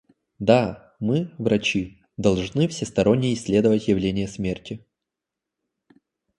Да, мы, врачи, должны всесторонне исследовать явление смерти.